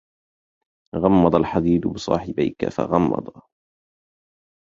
غمض الحديد بصاحبيك فغمضا